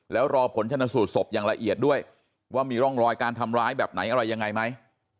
แล้วรอผลชนสูตรศพอย่างละเอียดด้วยว่ามีร่องรอยการทำร้ายแบบไหนอะไรยังไงไหม